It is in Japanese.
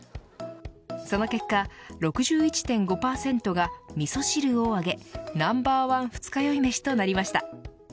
その結果６１．５％がみそ汁を挙げナンバーワン二日酔いメシとなりました。